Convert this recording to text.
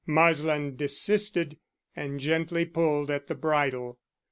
Marsland desisted, and gently pulled at the bridle.